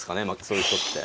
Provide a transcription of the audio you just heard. そういう人って。